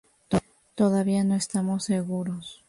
Todavía no estamos seguros.